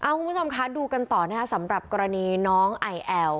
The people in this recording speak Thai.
คุณผู้ชมคะดูกันต่อนะคะสำหรับกรณีน้องไอแอล